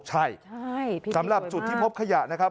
ใช่สำหรับจุดที่พบขยะนะครับ